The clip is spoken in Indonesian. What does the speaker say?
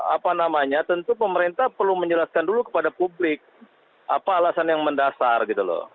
apa namanya tentu pemerintah perlu menjelaskan dulu kepada publik apa alasan yang mendasar gitu loh